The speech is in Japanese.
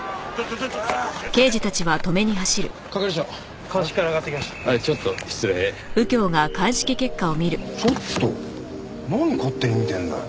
ちょっと何勝手に見てんだよ。